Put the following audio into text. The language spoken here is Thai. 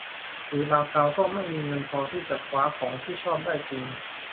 หรือบางคราวก็ไม่มีเงินพอที่จะคว้าของที่ชอบได้จริง